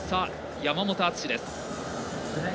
山本篤です。